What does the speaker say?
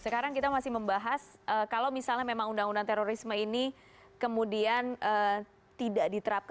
sekarang kita masih membahas kalau misalnya memang undang undang terorisme ini kemudian tidak diterapkan